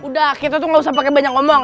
udah kita tuh gak usah pakai banyak ngomong